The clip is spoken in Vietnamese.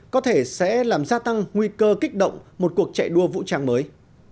có thể sẽ làm gia tăng nguy cơ kích động một cuộc chạy đua vũ trang mới